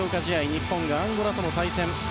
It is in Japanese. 日本がアンゴラとの対戦。